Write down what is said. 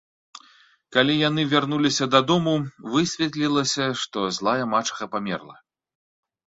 Калі яны вярнуліся да дому, высветлілася, што злая мачыха памерла.